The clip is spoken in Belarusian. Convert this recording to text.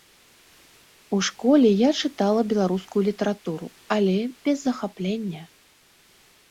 У школе я чытала беларускую літаратуру, але без захаплення.